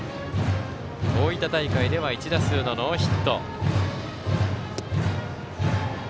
大分大会では１打数ノーヒット。